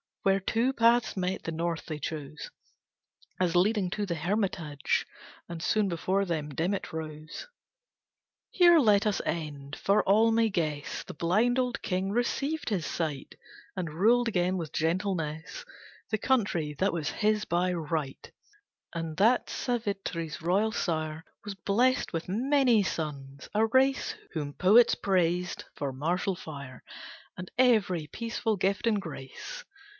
Where two paths met, the north they chose, As leading to the hermitage, And soon before them, dim it rose. Here let us end. For all may guess The blind old king received his sight, And ruled again with gentleness The country that was his by right; And that Savitri's royal sire Was blest with many sons, a race Whom poets praised for martial fire, And every peaceful gift and grace.